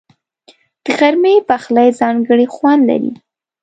د غرمې پخلی ځانګړی خوند لري